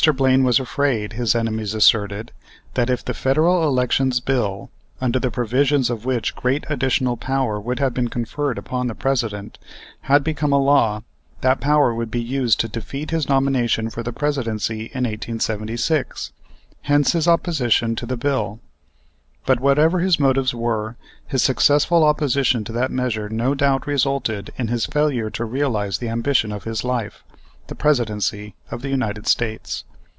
Blaine was afraid, his enemies asserted, that, if the Federal Elections Bill, under the provisions of which great additional power would have been conferred upon the President, had become a law, that power would be used to defeat his nomination for the Presidency in 1876; hence his opposition to the Bill. But, whatever his motives were, his successful opposition to that measure no doubt resulted in his failure to realize the ambition of his life, the Presidency of the United States.